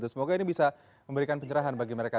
semoga ini bisa memberikan pencerahan bagi mereka